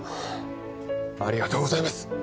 ありがとうございます！